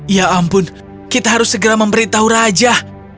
ya ampun kita harus segera memberitahu raja